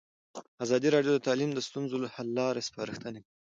ازادي راډیو د تعلیم د ستونزو حل لارې سپارښتنې کړي.